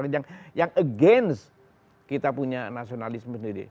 yang n figens kita punya nasionalisme sendiri